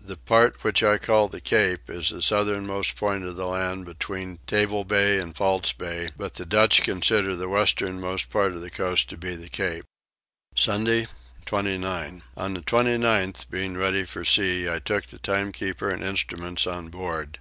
The part which I call the Cape is the southernmost point of the land between Table Bay and False Bay; but the Dutch consider the westernmost part of the coast to be the Cape. Sunday 29. On the 29th, being ready for sea, I took the timekeeper and instruments on board.